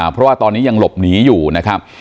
เพราะว่าตอนนี้ยังหลบหนีอยู่นะครับ